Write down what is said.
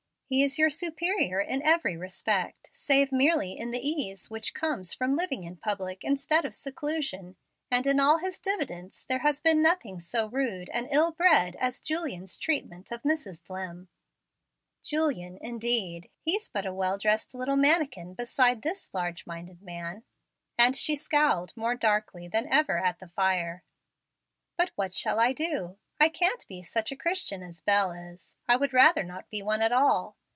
He is your superior in every respect, save merely in the ease which comes from living in public instead of seclusion, and in all his diffidence there has been nothing so rude and ill bred as Julian's treatment of Mrs. Dlimm. Julian indeed! He's but a well dressed little manikin beside this large minded man"; and she scowled more darkly than ever at the fire. "But what shall I do? I can't be such a Christian as Bel is. I would rather not be one at all.